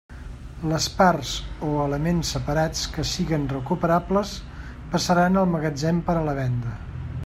Les parts o elements separats que siguen recuperables passaran al magatzem per a la venda.